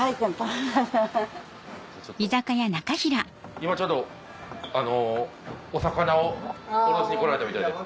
今ちょうどお魚を卸しに来られたみたいで。